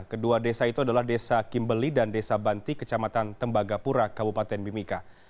kedua desa itu adalah desa kimbeli dan desa banti kecamatan tembagapura kabupaten mimika